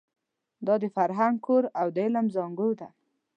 دا د فرهنګ کور او د علم زانګو ده.